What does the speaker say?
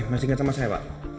masih ingat sama saya pak